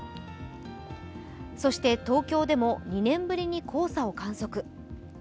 そして、東京でも２年ぶりに黄砂を観測。